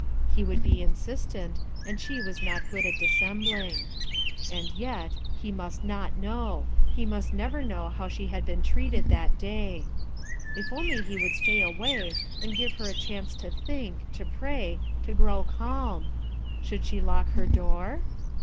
He would be inastent, and she was not good at c ji5sembling And yet, he must not know, he must never know how she had been treated that dav. If on *y he would stay away and give her a chance to think, to pray, to grow calm. Should she lock her door?